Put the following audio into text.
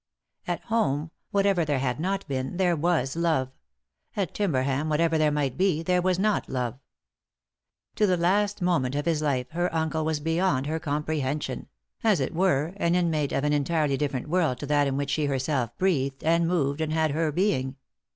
At home, whatever there had not been, there was love ; at Timberham, whatever there might be, there was not love. To the last moment of his life her uncle was beyond her comprehension ; as it were, an inmate of an entirely different world to that in which she herself breathed, and moved, and had her being.